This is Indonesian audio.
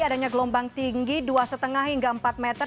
adanya gelombang tinggi dua lima hingga empat meter